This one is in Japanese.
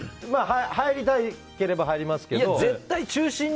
入りたければ入りますけど。